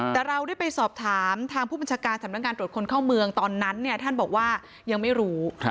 แต่เราได้ไปสอบถามทางผู้บัญชาการสำนักงานตรวจคนเข้าเมืองตอนนั้นเนี่ยท่านบอกว่ายังไม่รู้